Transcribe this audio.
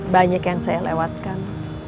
banyak yang saya lewatkan